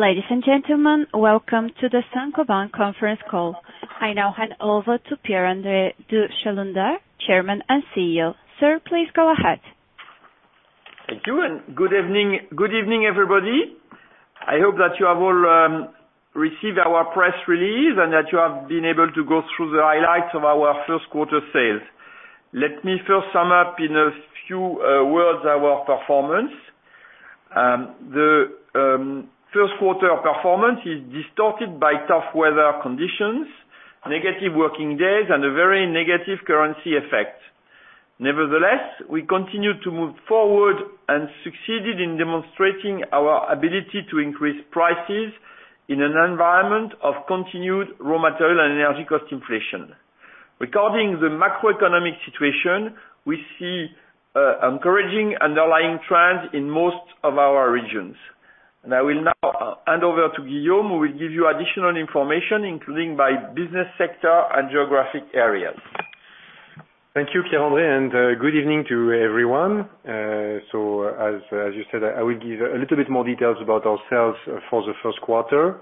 Ladies and gentlemen, welcome to the Saint-Gobain conference call. I now hand over to Pierre-André de Chalendar, Chairman and CEO. Sir, please go ahead. Thank you, good evening, everybody. I hope that you have all received our press release and that you have been able to go through the highlights of our first quarter sales. Let me first sum up in a few words our performance. The first quarter performance is distorted by tough weather conditions, negative working days, and a very negative currency effect. Nevertheless, we continue to move forward and succeeded in demonstrating our ability to increase prices in an environment of continued raw material and energy cost inflation. Regarding the macroeconomic situation, we see encouraging underlying trends in most of our regions. I will now hand over to Guillaume, who will give you additional information, including by business sector and geographic areas. Thank you, Pierre-André, good evening to everyone. As you said, I will give a little bit more details about our sales for the first quarter.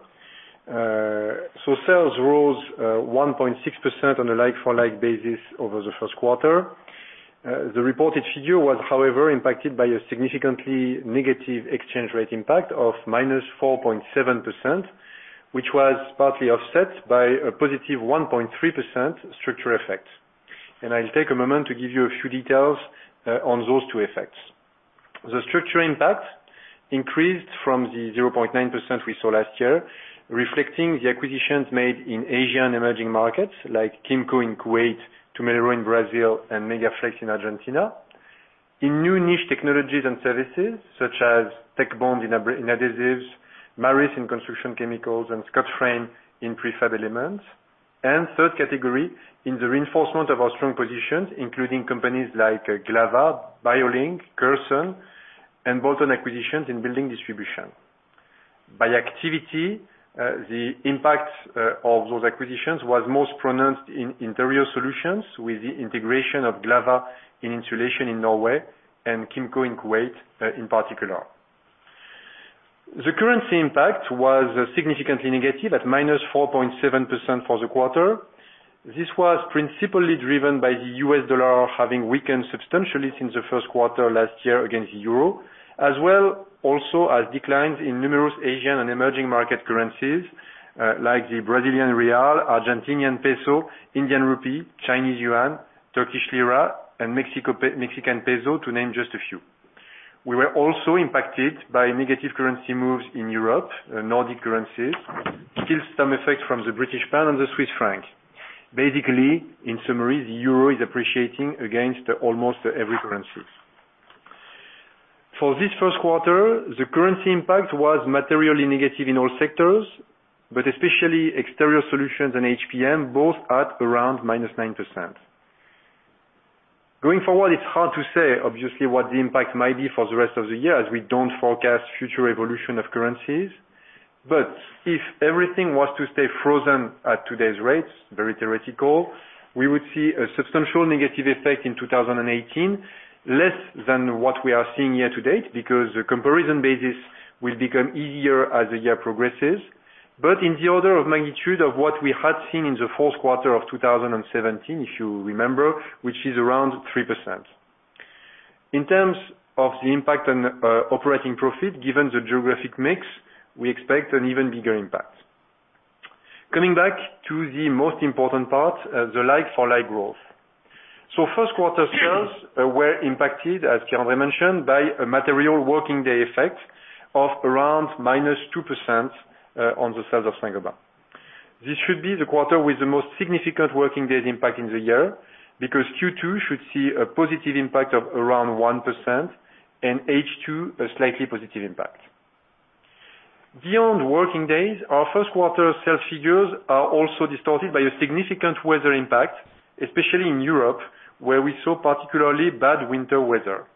Sales rose 1.6% on a like-for-like basis over the first quarter. The reported figure was, however, impacted by a significantly negative exchange rate impact of -4.7%, which was partly offset by a positive 1.3% structural effect. I'll take a moment to give you a few details on those two effects. The structural impact increased from the 0.9% we saw last year, reflecting the acquisitions made in Asia and emerging markets like Kimmco in Kuwait, Tumelero in Brazil, and Megaflex in Argentina. In new niche technologies and services such as Tekbond in adhesives, Maris in construction chemicals, and Scotframe in prefab elements. Third category, in the reinforcement of our strong positions, including companies like Glava, Byggelink, Kirson, and bolt-on acquisitions in Building Distribution. By activity, the impact of those acquisitions was most pronounced in Interior Solutions, with the integration of Glava in insulation in Norway and Kimmco in Kuwait, in particular. The currency impact was significantly negative at -4.7% for the quarter. This was principally driven by the US dollar having weakened substantially since the first quarter last year against the euro, as well also as declines in numerous Asian and emerging market currencies, like the Brazilian real, Argentinian peso, Indian rupee, Chinese yuan, Turkish lira, and Mexican peso to name just a few. We were also impacted by negative currency moves in Europe, Nordic currencies, still some effect from the British pound and the Swiss franc. Basically, in summary, the euro is appreciating against almost every currency. For this first quarter, the currency impact was materially negative in all sectors, but especially Exterior Solutions and HPM, both at around -9%. Going forward, it's hard to say, obviously, what the impact might be for the rest of the year, as we don't forecast future evolution of currencies. If everything was to stay frozen at today's rates, very theoretical, we would see a substantial negative effect in 2018, less than what we are seeing here to date, because the comparison basis will become easier as the year progresses. In the order of magnitude of what we had seen in the fourth quarter of 2017, if you remember, which is around 3%. In terms of the impact on operating profit, given the geographic mix, we expect an even bigger impact. Coming back to the most important part, the like-for-like growth. First quarter sales were impacted, as Pierre-André mentioned, by a material working day effect of around -2% on the sales of Saint-Gobain. This should be the quarter with the most significant working day impact in the year, because Q2 should see a positive impact of around 1%, and H2 a slightly positive impact. Beyond working days, our first quarter sales figures are also distorted by a significant weather impact, especially in Europe, where we saw particularly bad winter weather.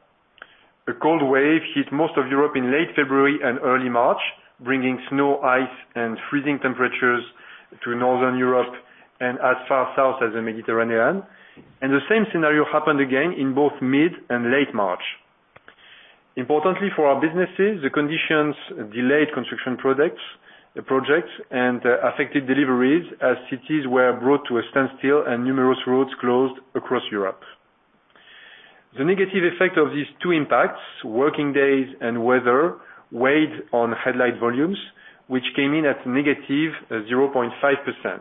A cold wave hit most of Europe in late February and early March, bringing snow, ice, and freezing temperatures to Northern Europe and as far south as the Mediterranean. The same scenario happened again in both mid and late March. Importantly for our businesses, the conditions delayed construction projects and affected deliveries as cities were brought to a standstill and numerous roads closed across Europe. The negative effect of these two impacts, working days and weather, weighed on headline volumes, which came in at -0.5%.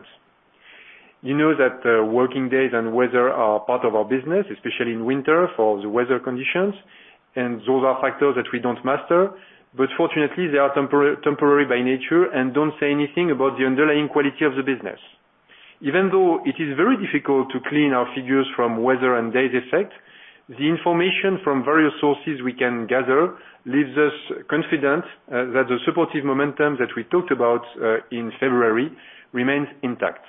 You know that working days and weather are part of our business, especially in winter for the weather conditions, and those are factors that we don't master. Fortunately, they are temporary by nature and don't say anything about the underlying quality of the business. Even though it is very difficult to clean our figures from weather and days effect, the information from various sources we can gather leaves us confident that the supportive momentum that we talked about in February remains intact.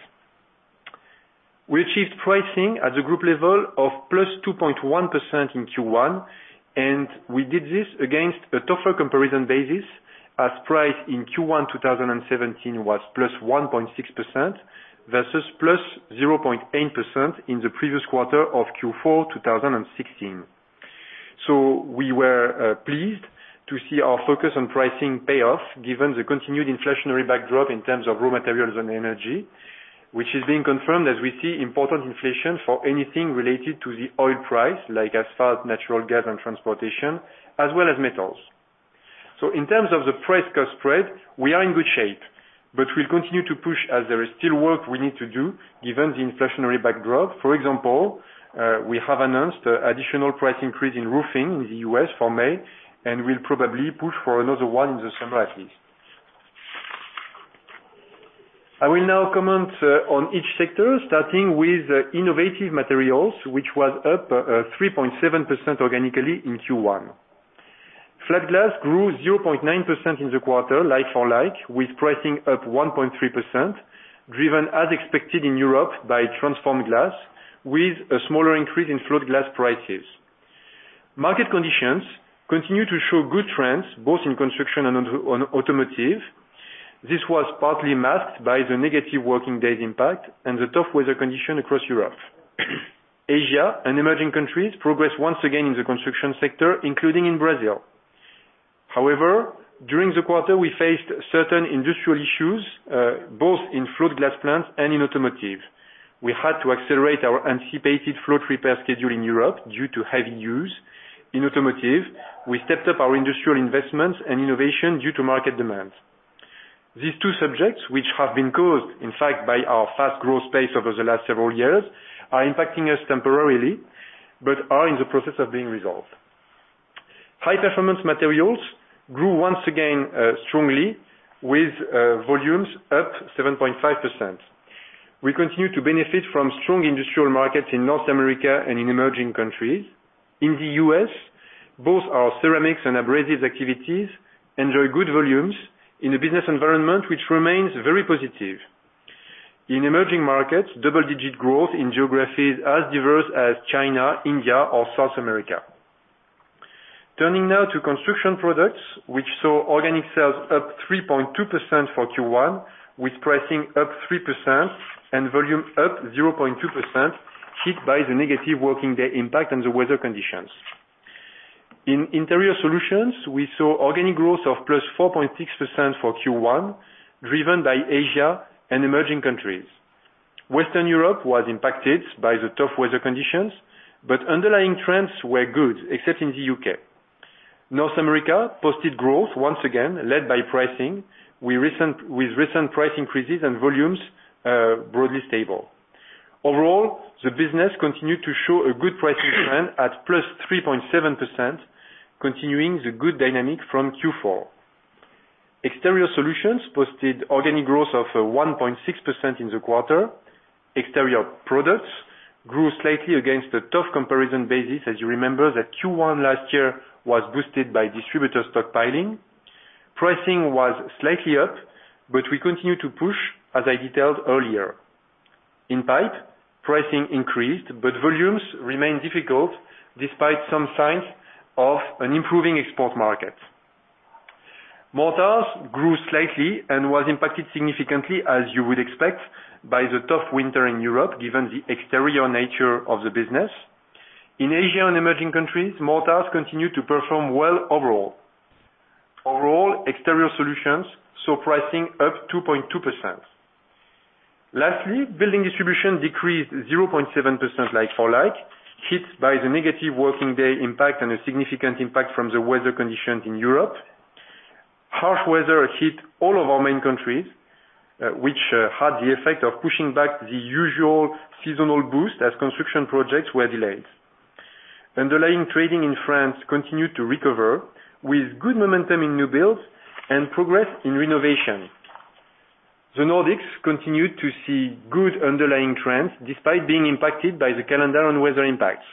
We achieved pricing at the group level of +2.1% in Q1, and we did this against a tougher comparison basis as price in Q1 2017 was +1.6% versus +0.8% in the previous quarter of Q4 2016. We were pleased to see our focus on pricing pay off given the continued inflationary backdrop in terms of raw materials and energy, which is being confirmed as we see important inflation for anything related to the oil price, like asphalt, natural gas, and transportation, as well as metals. In terms of the price-cost spread, we are in good shape, but we'll continue to push as there is still work we need to do given the inflationary backdrop. For example, we have announced additional price increase in roofing in the U.S. for May, and we'll probably push for another one in the summer at least. I will now comment on each sector, starting with Innovative Materials, which was up 3.7% organically in Q1. Flat Glass grew 0.9% in the quarter like-for-like, with pricing up 1.3%, driven as expected in Europe by transformed glass, with a smaller increase in float glass prices. Market conditions continue to show good trends both in construction and on automotive. This was partly masked by the negative working day impact and the tough weather condition across Europe. Asia and emerging countries progressed once again in the construction sector, including in Brazil. However, during the quarter, we faced certain industrial issues, both in float glass plants and in automotive. We had to accelerate our anticipated float repair schedule in Europe due to heavy use. In automotive, we stepped up our industrial investments and innovation due to market demand. These two subjects, which have been caused, in fact, by our fast growth pace over the last several years, are impacting us temporarily, but are in the process of being resolved. High Performance Materials grew once again strongly with volumes up 7.5%. We continue to benefit from strong industrial markets in North America and in emerging countries. In the U.S., both our Ceramics and abrasives activities enjoy good volumes in a business environment which remains very positive. In emerging markets, double-digit growth in geographies as diverse as China, India, or South America. Turning now to Construction Products, which saw organic sales up 3.2% for Q1, with pricing up 3% and volume up 0.2%, hit by the negative working day impact and the weather conditions. In Interior Solutions, we saw organic growth of +4.6% for Q1, driven by Asia and emerging countries. Western Europe was impacted by the tough weather conditions, but underlying trends were good, except in the U.K. North America posted growth once again, led by pricing, with recent price increases and volumes broadly stable. Overall, the business continued to show a good pricing trend at +3.7%, continuing the good dynamic from Q4. Exterior Solutions posted organic growth of 1.6% in the quarter. Exterior Products grew slightly against a tough comparison basis, as you remember that Q1 last year was boosted by distributor stockpiling. Pricing was slightly up, but we continue to push, as I detailed earlier. In pipe, pricing increased, but volumes remained difficult despite some signs of an improving export market. Mortars grew slightly and was impacted significantly, as you would expect, by the tough winter in Europe, given the exterior nature of the business. In Asia and emerging countries, Mortars continued to perform well overall. Building Distribution decreased 0.7% like-for-like, hit by the negative working day impact and a significant impact from the weather conditions in Europe. Harsh weather hit all of our main countries, which had the effect of pushing back the usual seasonal boost as construction projects were delayed. Underlying trading in France continued to recover, with good momentum in new builds and progress in renovation. The Nordics continued to see good underlying trends, despite being impacted by the calendar and weather impacts.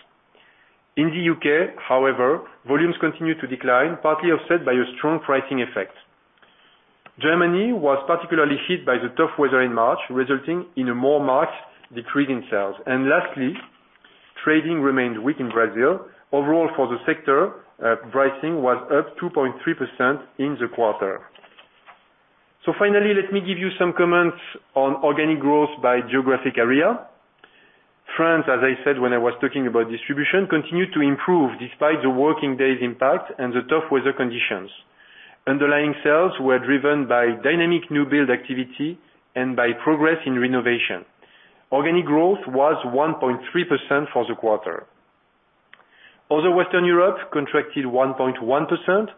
In the U.K., however, volumes continued to decline, partly offset by a strong pricing effect. Germany was particularly hit by the tough weather in March, resulting in a more marked decrease in sales. Trading remained weak in Brazil. Overall for the sector, pricing was up 2.3% in the quarter. Let me give you some comments on organic growth by geographic area. France, as I said when I was talking about distribution, continued to improve despite the working days impact and the tough weather conditions. Underlying sales were driven by dynamic new build activity and by progress in renovation. Organic growth was 1.3% for the quarter. Other Western Europe contracted 1.1%,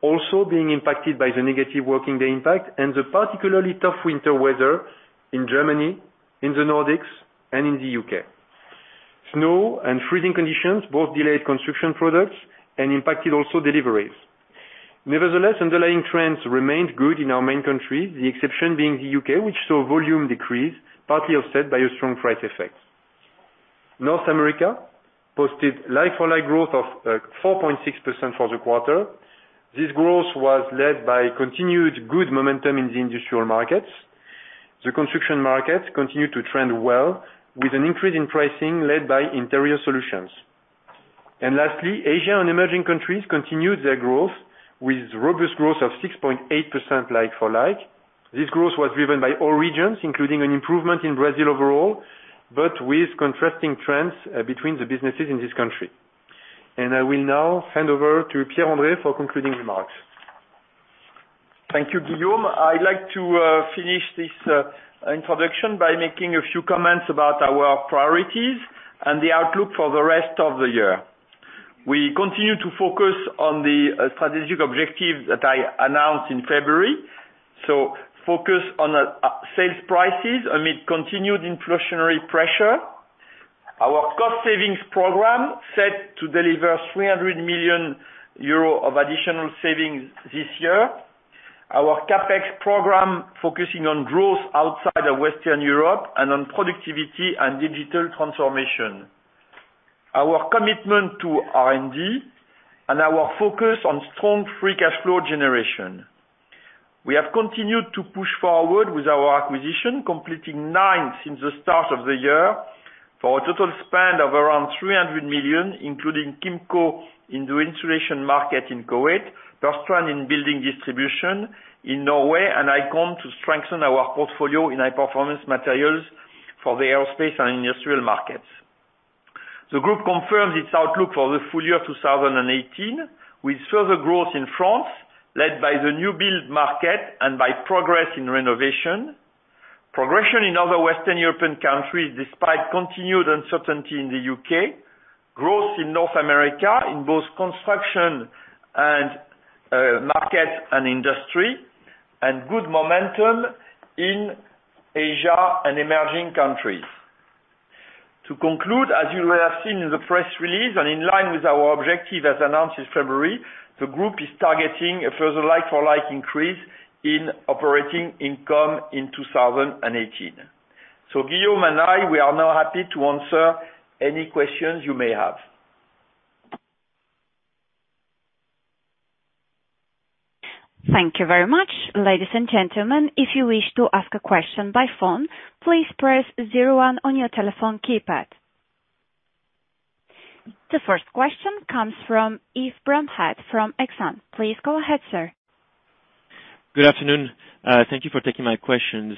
also being impacted by the negative working day impact and the particularly tough winter weather in Germany, in the Nordics, and in the U.K. Snow and freezing conditions both delayed Construction Products and impacted also deliveries. Nevertheless, underlying trends remained good in our main countries, the exception being the U.K., which saw volume decrease, partly offset by a strong price effect. North America posted like-for-like growth of 4.6% for the quarter. This growth was led by continued good momentum in the industrial markets. The construction markets continued to trend well, with an increase in pricing led by Interior Solutions. Lastly, Asia and emerging countries continued their growth with robust growth of 6.8% like-for-like. This growth was driven by all regions, including an improvement in Brazil overall, but with contrasting trends between the businesses in this country. I will now hand over to Pierre-André for concluding remarks. Thank you, Guillaume. I'd like to finish this introduction by making a few comments about our priorities and the outlook for the rest of the year. We continue to focus on the strategic objective that I announced in February. Focus on sales prices amid continued inflationary pressure. Our cost savings program set to deliver 300 million euro of additional savings this year. Our CapEx program, focusing on growth outside of Western Europe and on productivity and digital transformation. Our commitment to R&D and our focus on strong free cash flow generation. We have continued to push forward with our acquisition, completing nine since the start of the year, for a total spend of around 300 million, including Kimmco in the insulation market in Kuwait, Per Strand in Building Distribution in Norway, and Icon to strengthen our portfolio in High Performance Materials for the aerospace and industrial markets. The group confirms its outlook for the full year 2018, with further growth in France led by the new build market and by progress in renovation. Progression in other Western European countries, despite continued uncertainty in the U.K. Growth in North America in both construction and market and industry, and good momentum in Asia and emerging countries. To conclude, as you will have seen in the press release and in line with our objective as announced in February, the group is targeting a further like-for-like increase in operating income in 2018. Guillaume and I, we are now happy to answer any questions you may have. Thank you very much. Ladies and gentlemen, if you wish to ask a question by phone, please press 01 on your telephone keypad. The first question comes from Yves Bramhat from Exane. Please go ahead, sir. Good afternoon. Thank you for taking my questions.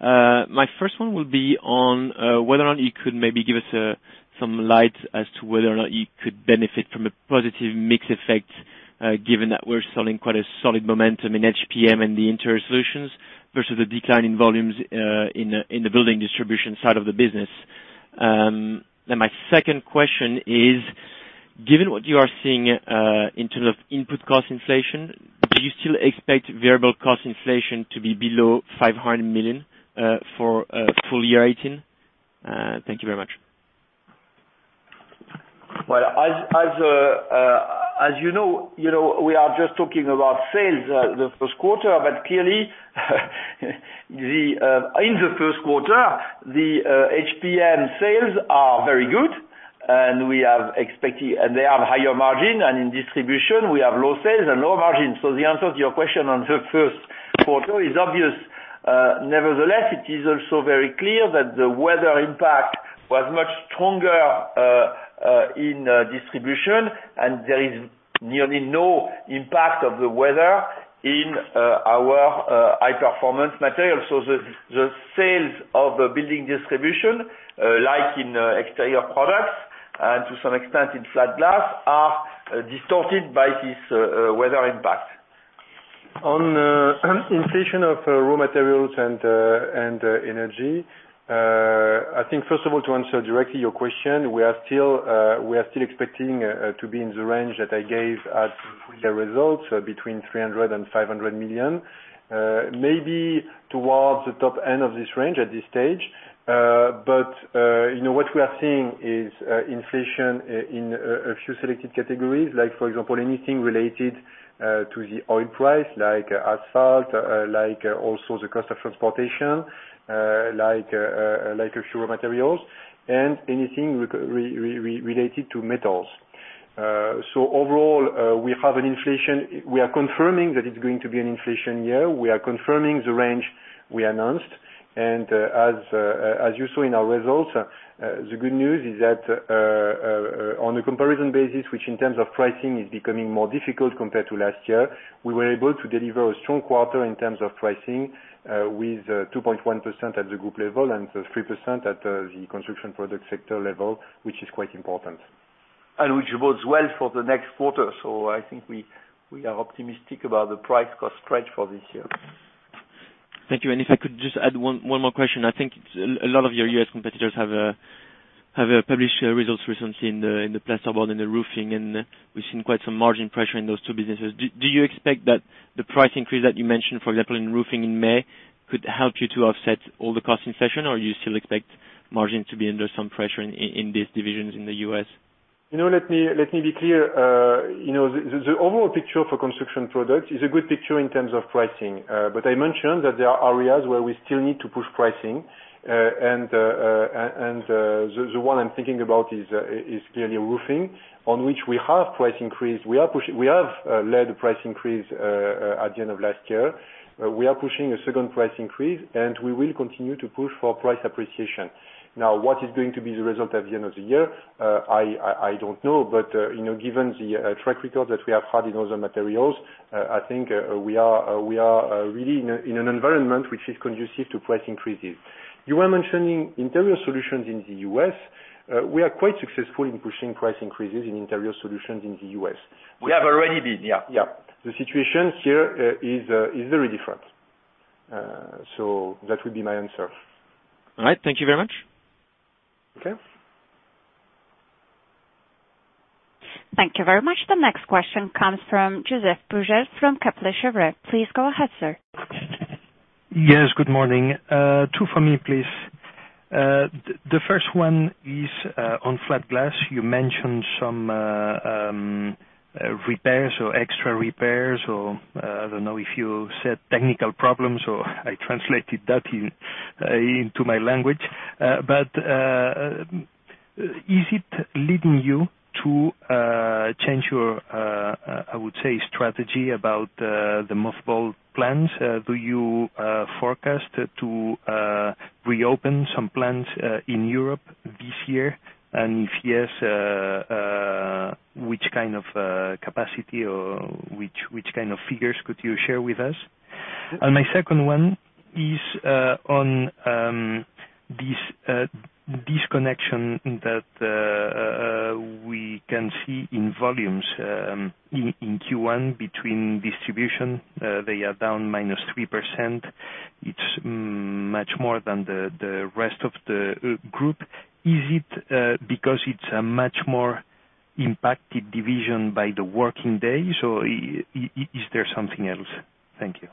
My first one will be on whether or not you could maybe give us some light as to whether or not you could benefit from a positive mix effect, given that we're selling quite a solid momentum in HPM in the Interior Solutions versus the decline in volumes in the Building Distribution side of the business. My second question is, given what you are seeing in terms of input cost inflation, do you still expect variable cost inflation to be below 500 million for full year 2018? Thank you very much. Well, as you know, we are just talking about sales the first quarter, but clearly in the first quarter, the HPM sales are very good and they have higher margin, and in Building Distribution, we have low sales and low margin. The answer to your question on the first quarter is obvious. Nevertheless, it is also very clear that the weather impact was much stronger in Building Distribution, and there is nearly no impact of the weather in our High Performance Materials. The sales of the Building Distribution, like in Exterior Products and to some extent in Flat Glass, are distorted by this weather impact. On inflation of raw materials and energy. I think, first of all, to answer directly your question, we are still expecting to be in the range that I gave at the results, between 300 million and 500 million. Maybe towards the top end of this range at this stage. What we are seeing is inflation in a few selected categories. Like for example, anything related to the oil price, like asphalt, like also the cost of transportation, like raw materials and anything related to metals. Overall, we are confirming that it's going to be an inflation year. We are confirming the range we announced. As you saw in our results, the good news is that on a comparison basis, which in terms of pricing is becoming more difficult compared to last year, we were able to deliver a strong quarter in terms of pricing with 2.1% at the group level and 3% at the Construction Products sector level, which is quite important. Which bodes well for the next quarter. I think we are optimistic about the price-cost spread for this year. Thank you. If I could just add one more question. I think a lot of your U.S. competitors have published results recently in the plasterboard and the roofing, and we've seen quite some margin pressure in those two businesses. Do you expect that the price increase that you mentioned, for example, in roofing in May, could help you to offset all the cost inflation? Or you still expect margin to be under some pressure in these divisions in the U.S.? Let me be clear. The overall picture for Construction Products is a good picture in terms of pricing. I mentioned that there are areas where we still need to push pricing. The one I'm thinking about is clearly roofing, on which we have price increase. We have led the price increase at the end of last year. We are pushing a second price increase, and we will continue to push for price appreciation. Now, what is going to be the result at the end of the year? I don't know. Given the track record that we have had in other materials, I think we are really in an environment which is conducive to price increases. You were mentioning Interior Solutions in the U.S. We are quite successful in pushing price increases in Interior Solutions in the U.S. We have already been. Yeah. Yeah. The situation here is very different. That would be my answer. All right. Thank you very much. Okay. Thank you very much. The next question comes from Josep Pujal from Kepler Cheuvreux. Please go ahead, sir. Yes. Good morning. Two from me, please. The first one is on Flat Glass. You mentioned some repairs or extra repairs or, I don't know, if you said technical problems, or I translated that into my language. Is it leading you to change your, I would say, strategy about the mothballed plans? Do you forecast to reopen some plans in Europe this year? If yes, which kind of capacity or which kind of figures could you share with us? My second one is on this disconnection that we can see in volumes in Q1 between Building Distribution, they are down -3%. It's much more than the rest of the group. Is it because it's a much more impacted division by the working days, or is there something else? Thank you.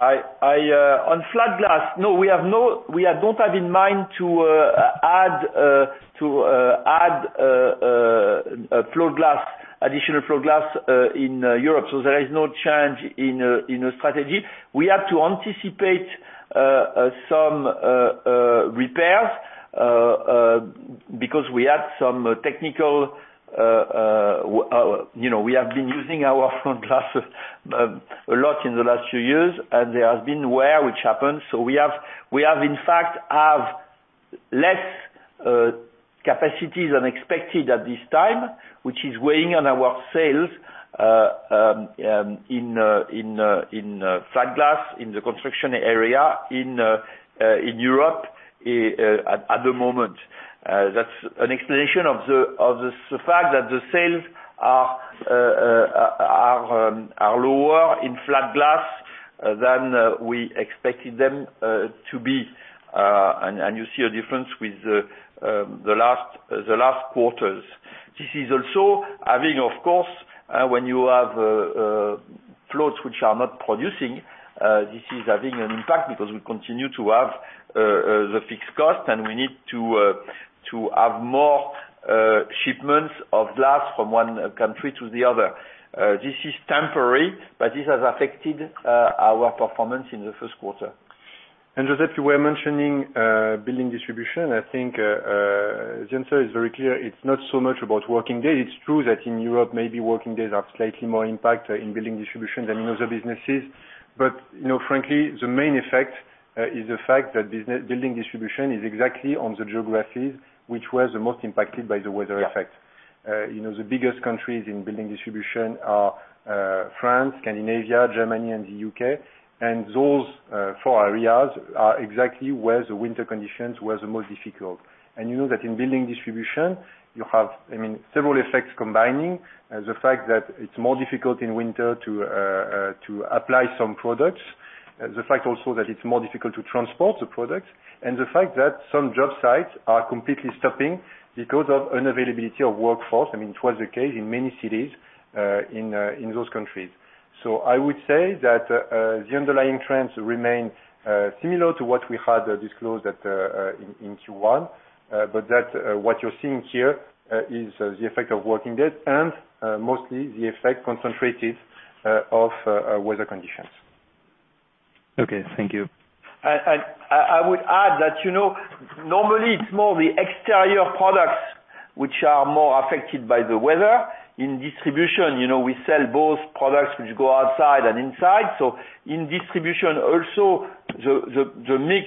On Flat Glass, no. We don't have in mind to add additional float glass in Europe, there is no change in our strategy. We have to anticipate some repairs because we have been using our float glass a lot in the last few years, and there has been wear, which happens. We have, in fact, less capacities than expected at this time, which is weighing on our sales in Flat Glass, in the construction area, in Europe at the moment. That's an explanation of the fact that the sales are lower in Flat Glass than we expected them to be. You see a difference with the last quarters. This is also having, of course, when you have floats which are not producing, this is having an impact because we continue to have the fixed cost. We need to have more shipments of glass from one country to the other. This is temporary, this has affected our performance in the first quarter. Josep, you were mentioning Building Distribution. I think the answer is very clear. It's not so much about working days. It's true that in Europe, maybe working days have slightly more impact in Building Distribution than in other businesses. Frankly, the main effect is the fact that Building Distribution is exactly on the geographies which were the most impacted by the weather effect. Yeah. The biggest countries in Building Distribution are France, Scandinavia, Germany, and the U.K. Those four areas are exactly where the winter conditions were the most difficult. You know that in Building Distribution, you have several effects combining. The fact that it's more difficult in winter to apply some products, the fact also that it's more difficult to transport the products, and the fact that some job sites are completely stopping because of unavailability of workforce. It was the case in many cities in those countries. I would say that the underlying trends remain similar to what we had disclosed in Q1. What you're seeing here is the effect of working days and mostly the effect concentrated of weather conditions. Okay. Thank you. I would add that normally it's more the Exterior Products which are more affected by the weather. In Distribution, we sell both products which go outside and inside. In Distribution also, the mix,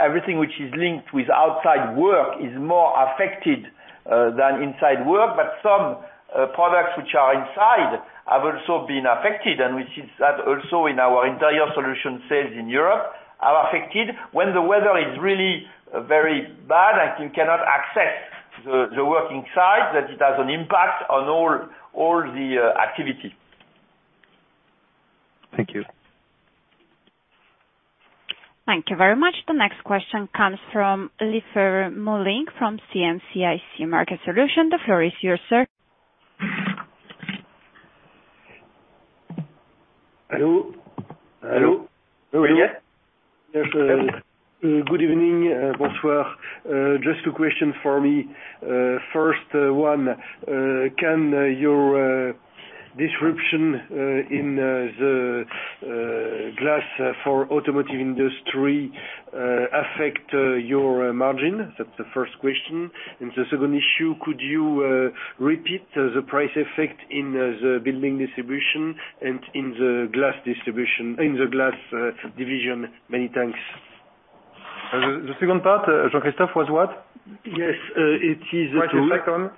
everything which is linked with outside work is more affected than inside work. Some products which are inside have also been affected, and we see that also in our Interior Solutions sales in Europe are affected. When the weather is really very bad and you cannot access the working site, that it has an impact on all the activity. Thank you. Thank you very much. The next question comes from Olivier Moullin from CM-CIC Market Solutions. The floor is yours, sir. Hello? Hello. Can you hear? Yes. Good evening. Bonsoir. Just two question from me. First one, can your disruption in the glass for automotive industry affect your margin? That's the first question. The second issue, could you repeat the price effect in the Building Distribution and in the glass division? Many thanks. The second part, Jean-Christophe, was what? Yes. It is. Try to back on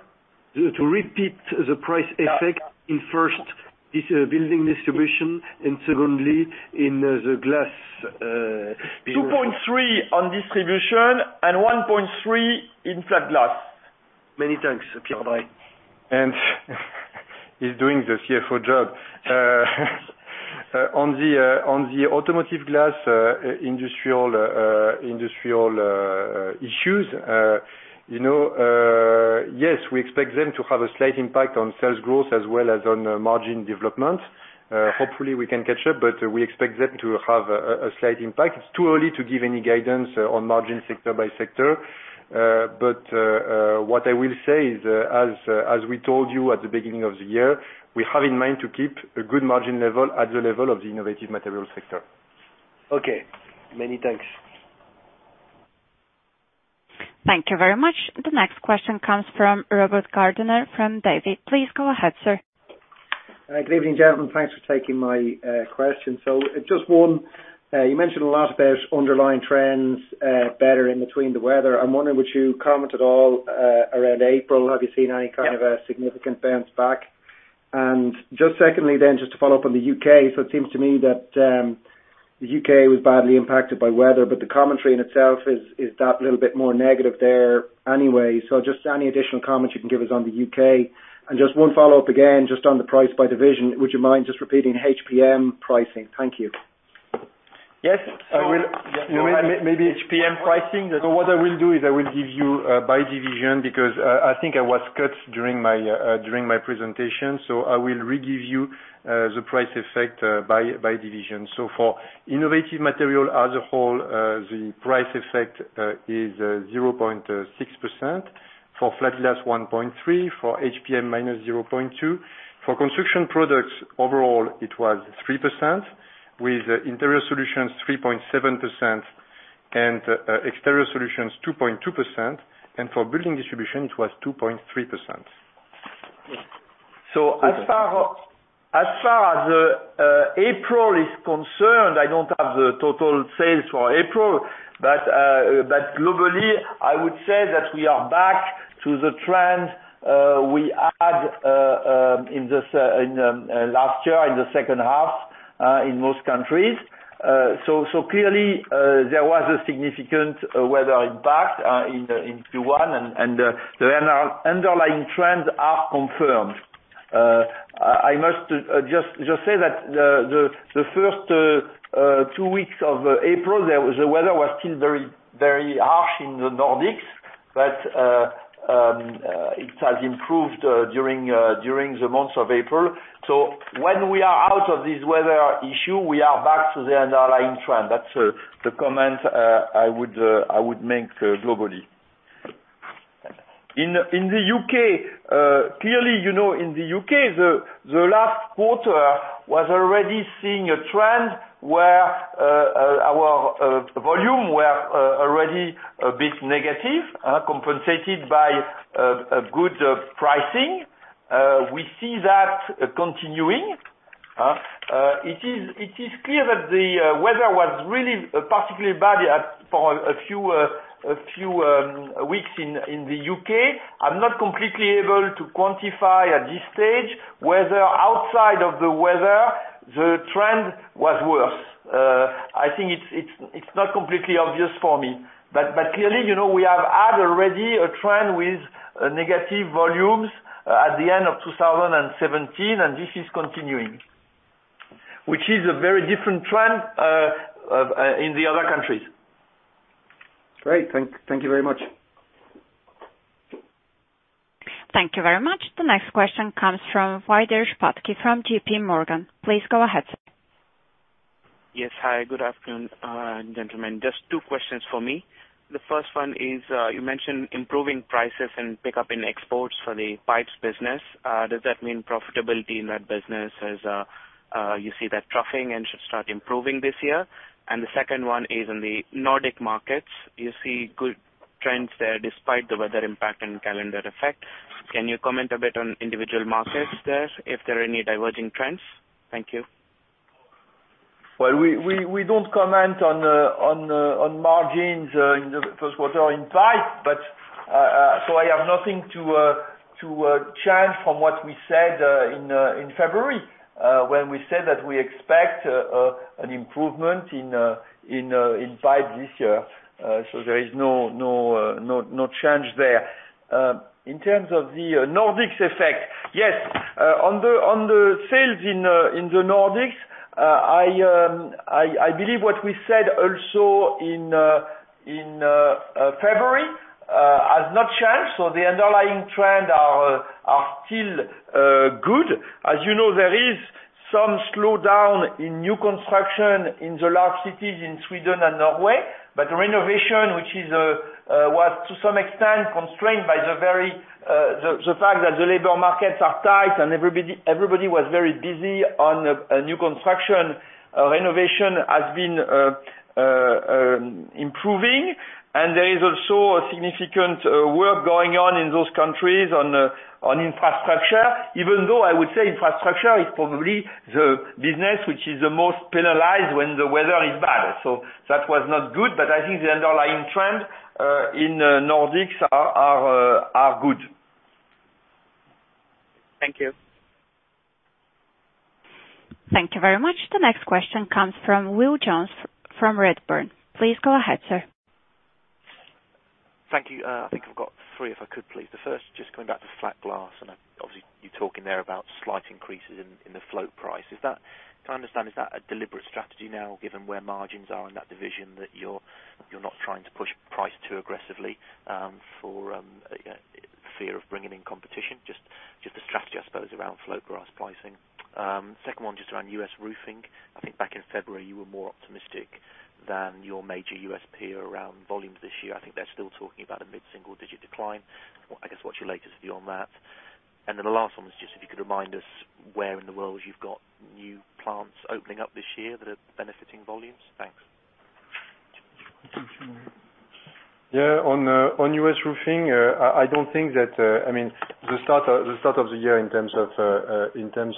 to repeat the price effect in first, this Building Distribution, and secondly, in the glass division. 2.3 on Distribution and 1.3 in Flat Glass. Many thanks, Pierre. Bye. He's doing the CFO job. On the automotive glass industrial issues, yes, we expect them to have a slight impact on sales growth as well as on margin development. Hopefully, we can catch up, but we expect them to have a slight impact. It's too early to give any guidance on margin sector by sector. What I will say is, as we told you at the beginning of the year, we have in mind to keep a good margin level at the level of the Innovative Materials sector. Okay. Many thanks. Thank you very much. The next question comes from Robert Gardiner from Davy. Please go ahead, sir. Good evening, gentlemen. Thanks for taking my question. Just one. You mentioned a lot about underlying trends, better in between the weather. I'm wondering, would you comment at all around April, have you seen any kind of a significant bounce back? Just secondly then, just to follow up on the U.K., it seems to me that the U.K. was badly impacted by weather, but the commentary in itself is that little bit more negative there anyway. Just any additional comments you can give us on the U.K., and just one follow-up again, just on the price by division, would you mind just repeating HPM pricing? Thank you. Yes. I will. Maybe HPM pricing. What I will do is I will give you by division, because I think I was cut during my presentation. I will re-give you the price effect by division. For Innovative Materials as a whole, the price effect is 0.6%. For Flat Glass, 1.3%. For HPM, -0.2%. For Construction Products, overall, it was 3%, with Interior Solutions 3.7% and Exterior Solutions 2.2%. For Building Distribution, it was 2.3%. As far as April is concerned, I don't have the total sales for April, but globally, I would say that we are back to the trend we had last year in the second half in most countries. Clearly, there was a significant weather impact in Q1 and the underlying trends are confirmed. I must just say that the first two weeks of April, the weather was still very harsh in the Nordics, but it has improved during the month of April. When we are out of this weather issue, we are back to the underlying trend. That's the comment I would make globally. In the U.K., clearly, the last quarter was already seeing a trend where our volume were already a bit negative, compensated by good pricing. We see that continuing. It is clear that the weather was really particularly bad for a few weeks in the U.K. I'm not completely able to quantify at this stage whether outside of the weather, the trend was worse. I think it's not completely obvious for me. Clearly, we have had already a trend with negative volumes at the end of 2017, and this is continuing, which is a very different trend in the other countries. Great. Thank you very much. Thank you very much. The next question comes from Nidaa Zuber from JPMorgan. Please go ahead, sir. Yes. Hi, good afternoon, gentlemen. Just two questions for me. The first one is, you mentioned improving prices and pickup in exports for the pipes business. Does that mean profitability in that business as you see that troughing and should start improving this year? The second one is on the Nordic markets. You see good trends there despite the weather impact and calendar effect. Can you comment a bit on individual markets there, if there are any diverging trends? Thank you. We don't comment on margins in the first quarter in pipe, I have nothing to change from what we said in February, when we said that we expect an improvement in pipe this year. There is no change there. In terms of the Nordics effect, yes, on the sales in the Nordics, I believe what we said also in February has not changed. The underlying trend are still good. As you know, there is some slowdown in new construction in the large cities in Sweden and Norway. Renovation, which was to some extent constrained by the fact that the labor markets are tight and everybody was very busy on new construction. Renovation has been improving, there is also a significant work going on in those countries on infrastructure, even though I would say infrastructure is probably the business which is the most penalized when the weather is bad. That was not good, I think the underlying trend in Nordics are good. Thank you. Thank you very much. The next question comes from Will Jones from Redburn. Please go ahead, sir. Thank you. I think I've got three, if I could, please. The first, just coming back to Flat Glass, obviously you're talking there about slight increases in the float price. Can I understand, is that a deliberate strategy now, given where margins are in that division, that you're not trying to push price too aggressively for fear of bringing in competition? Just the strategy, I suppose, around float glass pricing. Second one, just around U.S. roofing. I think back in February, you were more optimistic than your major U.S. peer around volumes this year. I think they're still talking about a mid-single digit decline. I guess, what's your latest view on that? The last one is just if you could remind us where in the world you've got new plants opening up this year that are benefiting volumes. Thanks. Yeah. On U.S. roofing, the start of the year in terms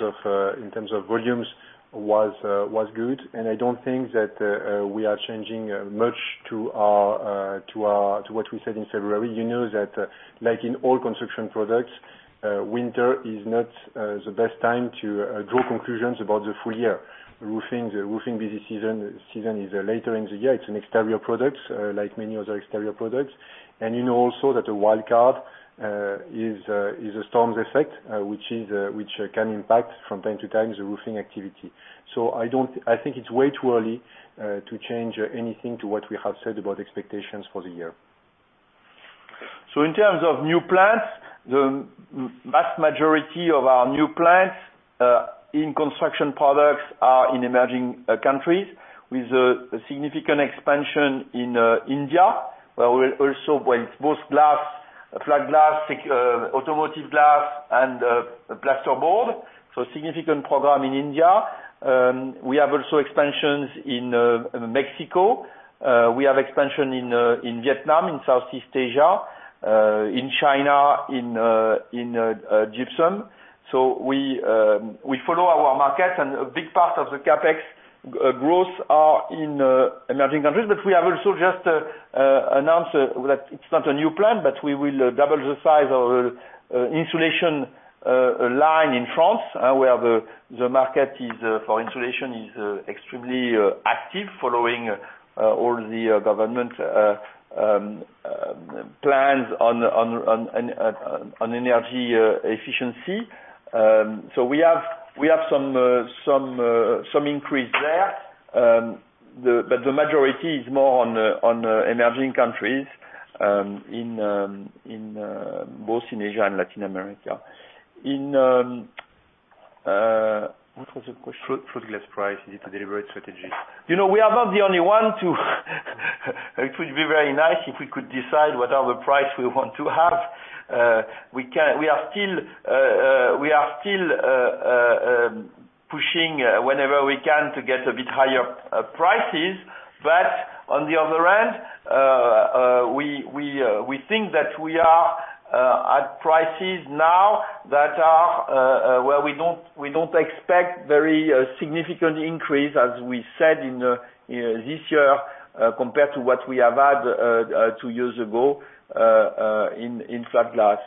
of volumes was good, I don't think that we are changing much to what we said in February. You know that like in all Construction Products, winter is not the best time to draw conclusions about the full year. Roofing busy season is later in the year. It's an Exterior Product, like many other Exterior Products. You know also that a wild card is a storm's effect, which can impact from time to time the roofing activity. I think it's way too early to change anything to what we have said about expectations for the year. In terms of new plants, the vast majority of our new plants in Construction Products are in emerging countries with a significant expansion in India, where we'll also both Flat Glass, automotive glass, and plasterboard. Significant program in India. We have also expansions in Mexico. We have expansion in Vietnam, in Southeast Asia, in China, in gypsum. We follow our markets a big part of the CapEx growth are in emerging countries. We have also just announced that it's not a new plan, we will double the size of insulation line in France, where the market for insulation is extremely active following all the government plans on energy efficiency. We have some increase there. The majority is more on emerging countries, both in Asia and Latin America. What was the question? Float Glass price, is it a deliberate strategy? We are not the only one. It would be very nice if we could decide whatever price we want to have. We are still pushing whenever we can to get a bit higher prices. On the other hand, we think that we are at prices now where we don't expect very significant increase, as we said in this year, compared to what we have had two years ago in Flat Glass.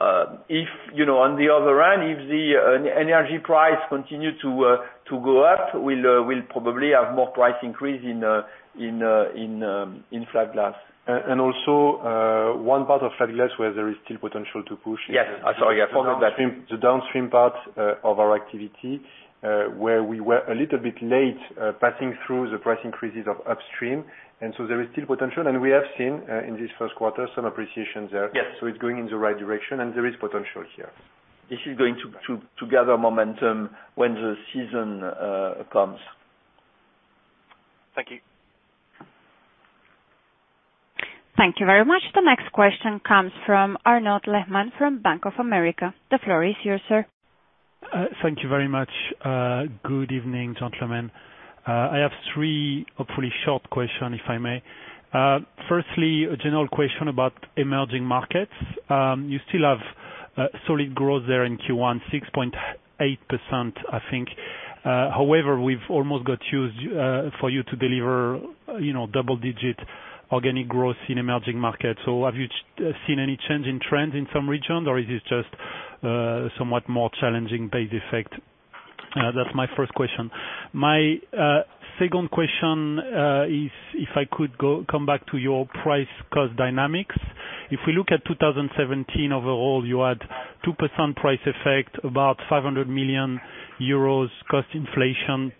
On the other hand, if the energy price continue to go up, we'll probably have more price increase in Flat Glass. Also, one part of Flat Glass where there is still potential to push. Yes. Sorry, I followed that. That is the downstream part of our activity, where we were a little bit late passing through the price increases of upstream. So there is still potential, and we have seen in this first quarter some appreciation there. Yes. It's going in the right direction, and there is potential here. This is going to gather momentum when the season comes. Thank you. Thank you very much. The next question comes from Arnaud Lehmann from Bank of America. The floor is yours, sir. Thank you very much. Good evening, gentlemen. I have three hopefully short question, if I may. Firstly, a general question about emerging markets. You still have solid growth there in Q1, 6.8%, I think. However, we've almost got used for you to deliver double-digit organic growth in emerging markets. Have you seen any change in trend in some regions, or is it just somewhat more challenging base effect? That's my first question. My second question is if I could come back to your price cost dynamics. If we look at 2017, overall, you had 2% price effect, about 500 million euros cost inflation.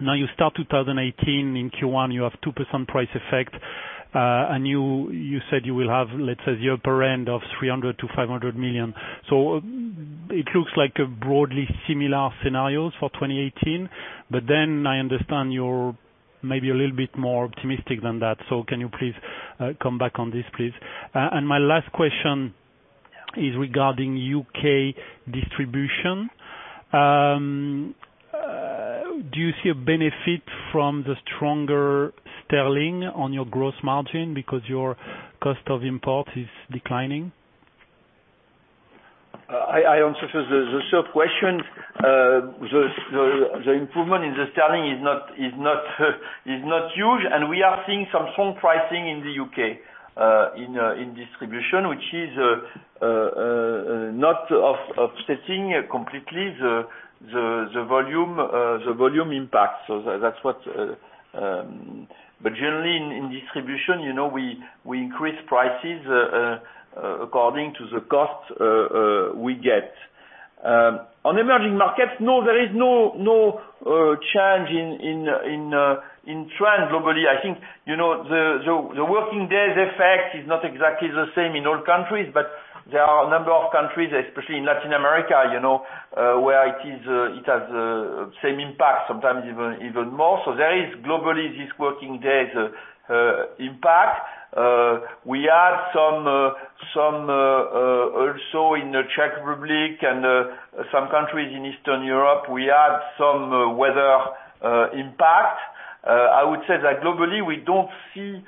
You start 2018, in Q1, you have 2% price effect. You said you will have, let's say, the upper end of 300 million-500 million. It looks like a broadly similar scenarios for 2018. I understand you're maybe a little bit more optimistic than that. Can you please come back on this, please? My last question is regarding U.K. distribution. Do you see a benefit from the stronger sterling on your gross margin because your cost of import is declining? I answer the third question. The improvement in the sterling is not huge, and we are seeing some strong pricing in the U.K. in distribution, which is not offsetting completely the volume impact. That's what. Generally in distribution, we increase prices according to the cost we get. On emerging markets, no, there is no change in trend globally. I think the working days effect is not exactly the same in all countries, but there are a number of countries, especially in Latin America, where it has the same impact, sometimes even more. There is globally this working days impact. We had some also in the Czech Republic and some countries in Eastern Europe, we had some weather impact. I would say that globally, we don't see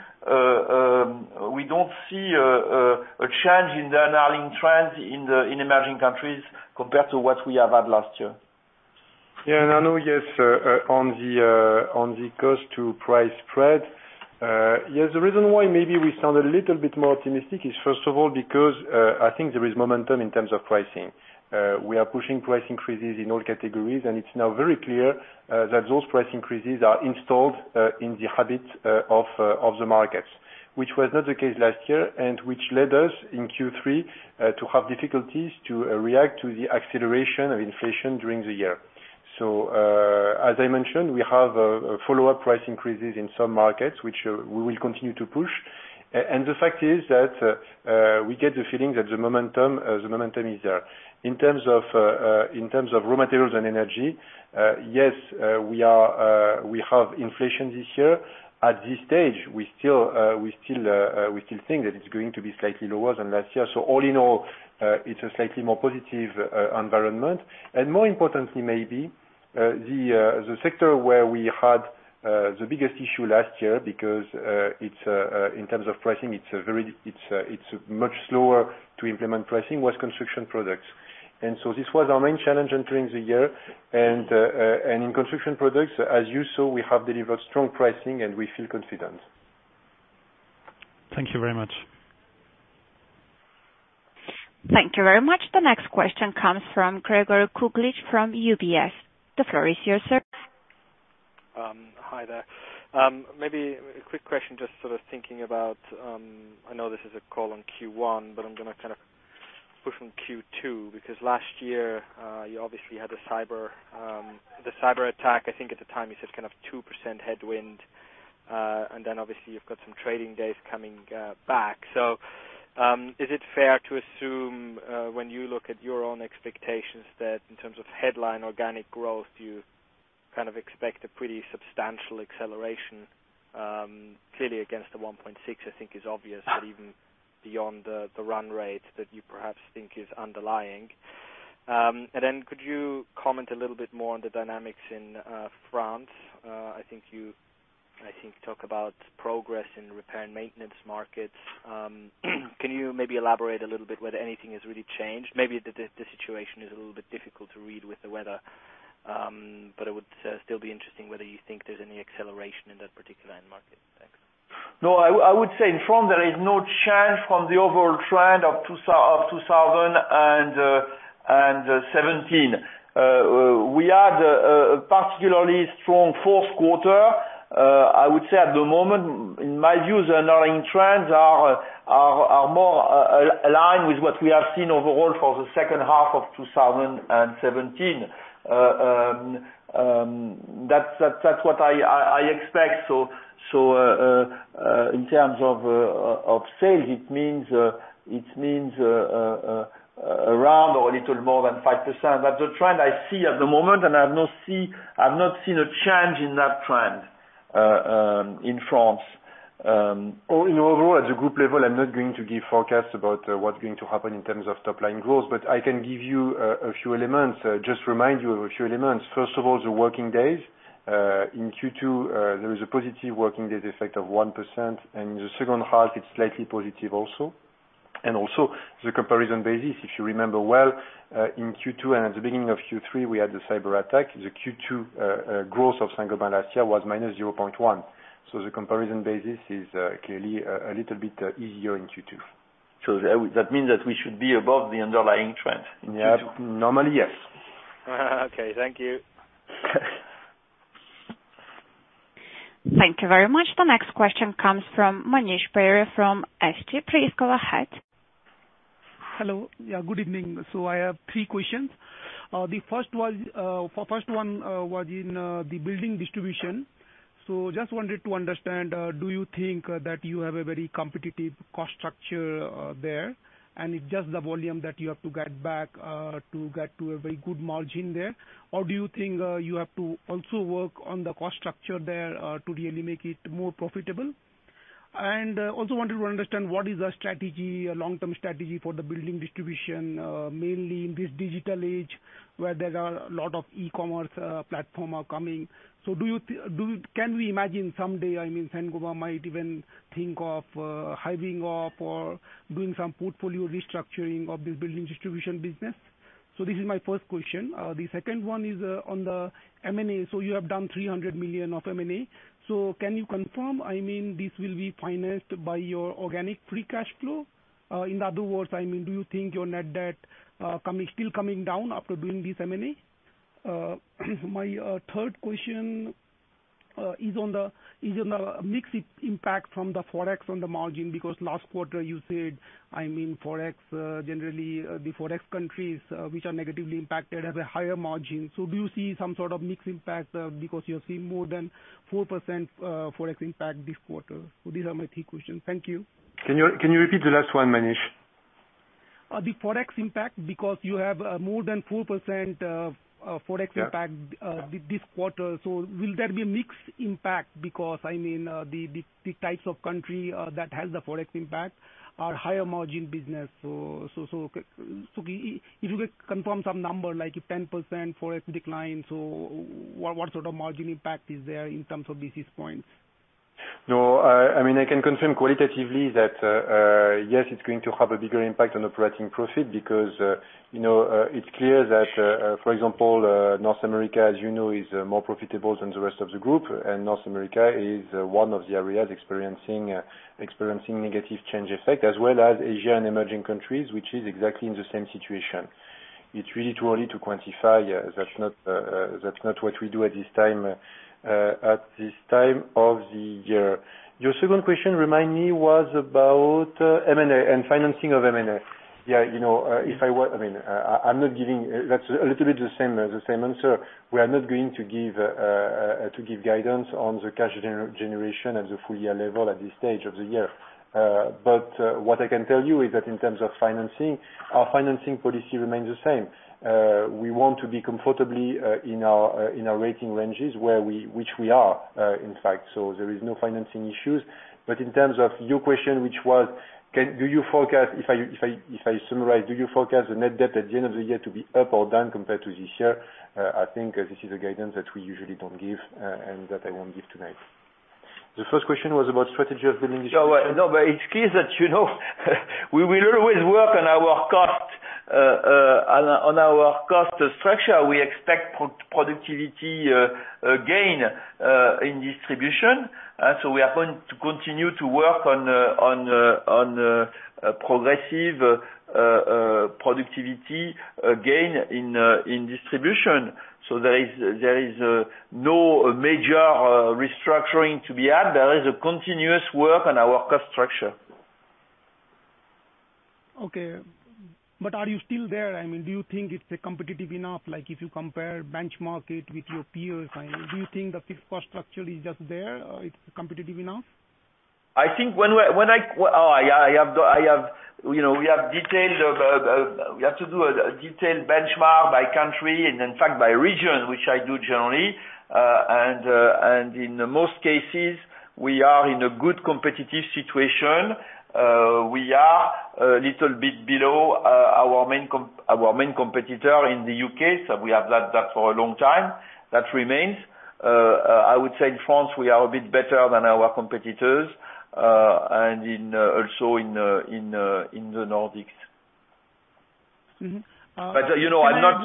a change in the underlying trends in emerging countries compared to what we have had last year. Arnaud, on the cost to price spread. The reason why maybe we sound a little bit more optimistic is first of all, because I think there is momentum in terms of pricing. We are pushing price increases in all categories, and it's now very clear that those price increases are installed in the habits of the markets. Which was not the case last year, and which led us in Q3 to have difficulties to react to the acceleration of inflation during the year. As I mentioned, we have follow-up price increases in some markets, which we will continue to push. The fact is that we get the feeling that the momentum is there. In terms of raw materials and energy, yes, we have inflation this year. At this stage, we still think that it's going to be slightly lower than last year. All in all, it's a slightly more positive environment. More importantly maybe, the sector where we had the biggest issue last year because in terms of pricing, it's much slower to implement pricing was Construction Products. This was our main challenge during the year. In Construction Products, as you saw, we have delivered strong pricing, and we feel confident. Thank you very much. Thank you very much. The next question comes from Gregor Kuglitsch from UBS. The floor is yours, sir. Hi there. Maybe a quick question, just sort of thinking about, I know this is a call on Q1, but I am going to kind of push on Q2, because last year, you obviously had the cyber attack. I think at the time you said kind of 2% headwind. Obviously you've got some trading days coming back. Is it fair to assume, when you look at your own expectations, that in terms of headline organic growth, you kind of expect a pretty substantial acceleration, clearly against the 1.6% I think is obvious, but even beyond the run rate that you perhaps think is underlying. Could you comment a little bit more on the dynamics in France? I think you talk about progress in repair and maintenance markets. Can you maybe elaborate a little bit whether anything has really changed? Maybe the situation is a little bit difficult to read with the weather. It would still be interesting whether you think there is any acceleration in that particular end market. Thanks. No, I would say in France there is no change from the overall trend of 2017. We had a particularly strong fourth quarter. I would say at the moment, in my view, the underlying trends are more aligned with what we have seen overall for the second half of 2017. That's what I expect. In terms of sales, it means around or a little more than 5%. That's the trend I see at the moment, and I've not seen a change in that trend in France. In overall, at the group level, I'm not going to give forecasts about what's going to happen in terms of top-line growth. I can give you a few elements, just remind you of a few elements. First of all, the working days, in Q2, there is a positive working days effect of 1%, and in the second half, it's slightly positive also. The comparison basis, if you remember well, in Q2 and at the beginning of Q3, we had the cyberattack. The Q2 growth of Saint-Gobain last year was -0.1%. The comparison basis is clearly a little bit easier in Q2. That means that we should be above the underlying trend in Q2. Yeah. Normally, yes. Okay. Thank you. Thank you very much. The next question comes from Manish Parekh from SG. Please go ahead. Hello. Yeah, good evening. I have three questions. The first one was in the Building Distribution. Just wanted to understand, do you think that you have a very competitive cost structure there, and it's just the volume that you have to get back to get to a very good margin there? Or do you think you have to also work on the cost structure there, to really make it more profitable? Also wanted to understand what is the long-term strategy for the Building Distribution, mainly in this digital age where there are a lot of e-commerce platform are coming. Can we imagine someday, Saint-Gobain might even think of hiving off or doing some portfolio restructuring of the Building Distribution business? This is my first question. The second one is on the M&A. You have done 300 million of M&A. Can you confirm, this will be financed by your organic free cash flow? In other words, do you think your net debt still coming down after doing this M&A? My third question is on the mixed impact from the Forex on the margin, because last quarter you said, Forex countries which are negatively impacted have a higher margin. Do you see some sort of mixed impact because you're seeing more than 4% Forex impact this quarter? These are my three questions. Thank you. Can you repeat the last one, Manish? The Forex impact, because you have more than 4% Forex impact. Yeah this quarter. Will there be a mixed impact? Because the types of country that has the Forex impact are higher margin business. If you could confirm some number, like 10% Forex decline. What sort of margin impact is there in terms of basis points? No, I can confirm qualitatively that, yes, it's going to have a bigger impact on operating profit because, it's clear that, for example North America, as you know, is more profitable than the rest of the group, and North America is one of the areas experiencing negative change effect, as well as Asia and emerging countries, which is exactly in the same situation. It's really too early to quantify. That's not what we do at this time of the year. Your second question, remind me, was about M&A and financing of M&A. That's a little bit the same answer. We are not going to give guidance on the cash generation at the full year level at this stage of the year. What I can tell you is that in terms of financing, our financing policy remains the same. We want to be comfortably in our rating ranges, which we are, in fact. There is no financing issues. In terms of your question, which was, if I summarize, do you forecast the net debt at the end of the year to be up or down compared to this year? I think this is a guidance that we usually don't give and that I won't give tonight. The first question was about strategy of Building Distribution. It's clear that we will always work on our cost structure. We expect productivity gain in distribution. We are going to continue to work on progressive productivity gain in distribution. There is no major restructuring to be had. There is a continuous work on our cost structure. Are you still there? Do you think it's competitive enough, if you compare, benchmark it with your peers? Do you think the fixed cost structure is just there? It's competitive enough? We have to do a detailed benchmark by country, and in fact, by region, which I do generally. In the most cases, we are in a good competitive situation. We are a little bit below our main competitor in the U.K. We have that for a long time. That remains. I would say in France, we are a bit better than our competitors. Also in the Nordics. I'm not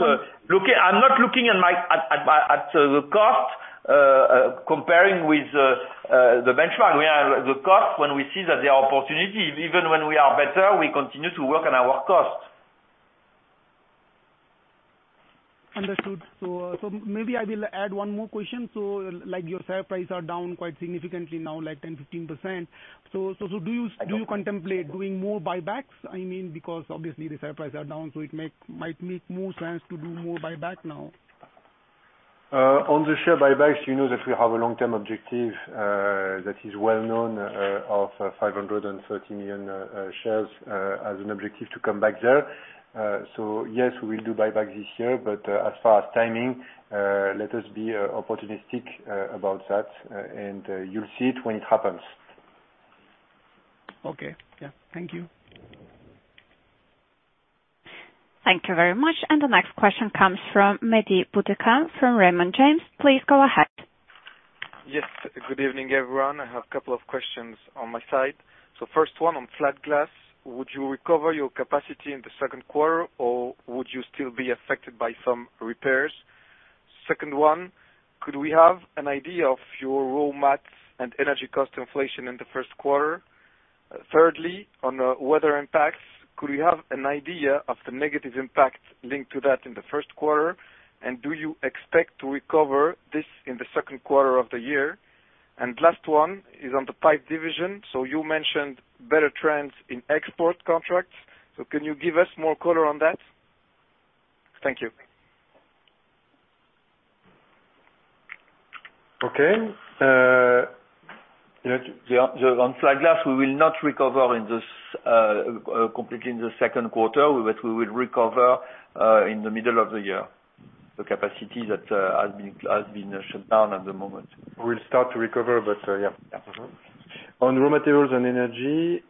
looking at the cost comparing with the benchmark. The cost, when we see that there are opportunities, even when we are better, we continue to work on our cost. Understood. Maybe I will add one more question. Your share price are down quite significantly now, like 10%, 15%. Do you contemplate doing more buybacks? Obviously the share price are down, so it might make more sense to do more buyback now. On the share buybacks, you know that we have a long-term objective that is well known of 530 million shares as an objective to come back there. Yes, we will do buyback this year, but as far as timing, let us be opportunistic about that, and you'll see it when it happens. Okay. Yeah. Thank you. Thank you very much. The next question comes from Mehdi Boudokhane from Raymond James. Please go ahead. Yes. Good evening, everyone. I have a couple of questions on my side. First one on Flat Glass, would you recover your capacity in the second quarter, or would you still be affected by some repairs? Second one, could we have an idea of your raw mats and energy cost inflation in the first quarter? Thirdly, on the weather impacts, could we have an idea of the negative impact linked to that in the first quarter? Do you expect to recover this in the second quarter of the year? Last one is on the pipe division. You mentioned better trends in export contracts. Can you give us more color on that? Thank you. Okay. On Flat Glass, we will not recover completely in the second quarter, but we will recover in the middle of the year, the capacity that has been shut down at the moment. We'll start to recover, but yeah. Yeah. Mm-hmm. On raw materials and energy,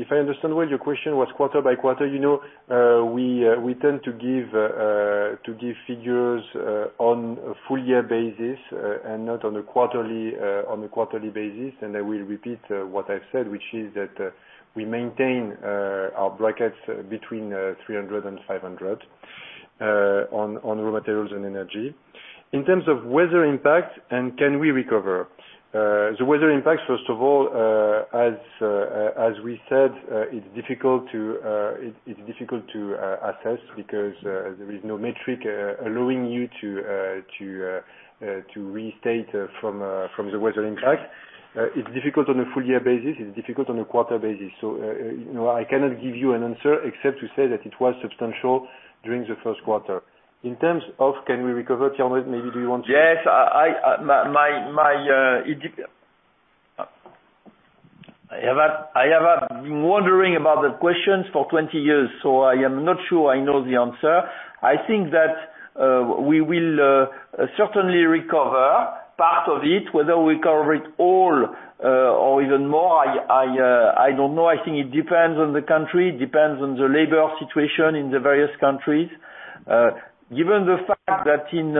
if I understand well, your question was quarter by quarter. We tend to give figures on a full year basis and not on a quarterly basis. I will repeat what I've said, which is that we maintain our brackets between 300 and 500 on raw materials and energy. In terms of weather impact and can we recover? The weather impact, first of all, as we said, it's difficult to assess because there is no metric allowing you to restate from the weather impact. It's difficult on a full year basis. It's difficult on a quarter basis. I cannot give you an answer except to say that it was substantial during the first quarter. In terms of can we recover, Pierre, maybe do you want to- Yes. I have been wondering about the questions for 20 years, so I am not sure I know the answer. I think that we will certainly recover part of it. Whether we cover it all or even more, I don't know. I think it depends on the country. It depends on the labor situation in the various countries. Given the fact that in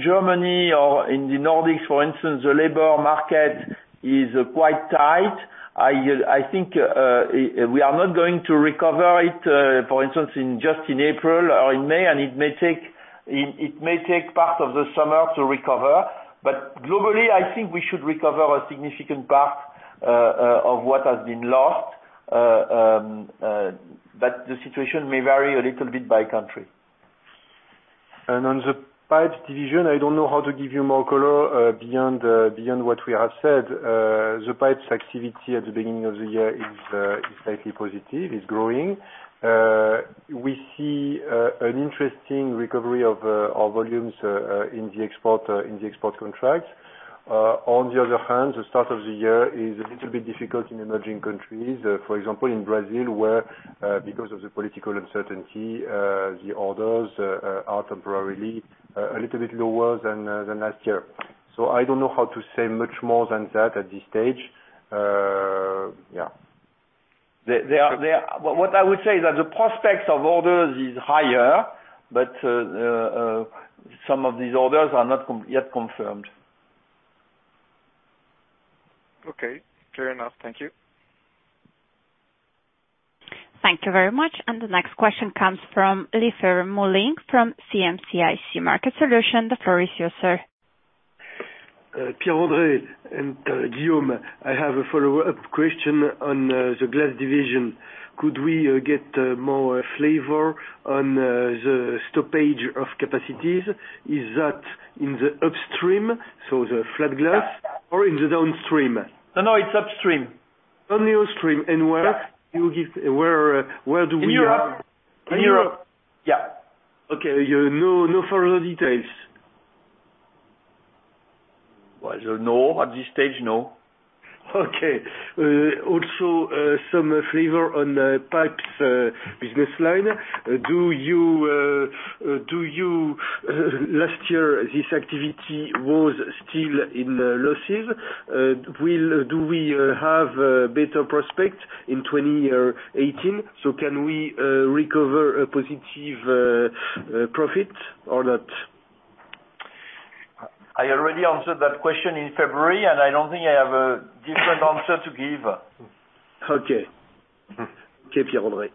Germany or in the Nordics, for instance, the labor market is quite tight, I think we are not going to recover it, for instance, just in April or in May, and it may take part of the summer to recover. Globally, I think we should recover a significant part of what has been lost. The situation may vary a little bit by country. On the pipes division, I don't know how to give you more color beyond what we have said. The pipes activity at the beginning of the year is slightly positive, is growing. We see an interesting recovery of volumes in the export contracts. The start of the year is a little bit difficult in emerging countries. For example, in Brazil, where because of the political uncertainty, the orders are temporarily a little bit lower than last year. I don't know how to say much more than that at this stage. Yeah. What I would say is that the prospects of orders is higher, but some of these orders are not yet confirmed. Okay. Fair enough. Thank you. Thank you very much. The next question comes from Olivier Moullin from CM-CIC Market Solutions. The floor is yours, sir. Pierre-André and Guillaume, I have a follow-up question on the Flat Glass division. Could we get more flavor on the stoppage of capacities? Is that in the upstream, so the Flat Glass, or in the downstream? No, it's upstream. Only upstream. Where do we have- In Europe. Okay. No further details. No. At this stage, no. Okay. Also, some flavor on pipes business line. Last year, this activity was still in losses. Do we have better prospects in 2018? Can we recover a positive profit or not? I already answered that question in February, and I don't think I have a different answer to give. Okay. Okay, Pierre-André.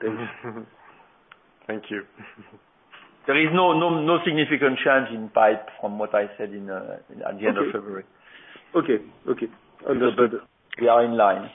Thanks. Thank you. There is no significant change in CapEx from what I said at the end of February. Okay. Understood. We are in line.